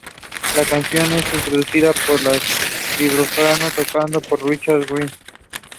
First she taught English at Northfield Seminary.